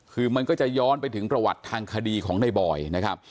คือมันก็จะย้อนไปถึงประวัติทางคดีของในบอยนะครับ